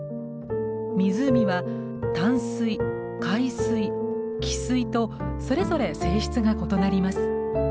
湖は淡水海水汽水とそれぞれ性質が異なります。